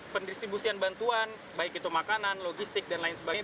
pendistribusian bantuan baik itu makanan logistik dan lain sebagainya